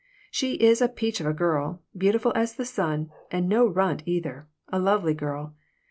"She is a peach of a girl, beautiful as the sun, and no runt, either; a lovely girl."